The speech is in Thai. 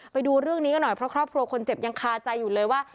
ไปดูเรื่องนี้กันหน่อยเพราะครอบครัวคนเจ็บยังคาใจอยู่เลยว่า